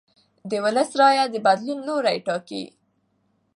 د ولس رایه د بدلون لوری ټاکي